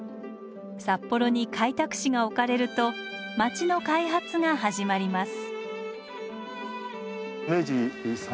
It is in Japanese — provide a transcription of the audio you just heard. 札幌に開拓使が置かれると街の開発が始まります。